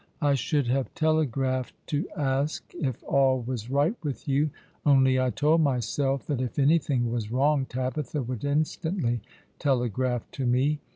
I should have telegraphed to ask if all was right with you, only I told myself that if anything was wrong Tabitha would instantly telegraph to me.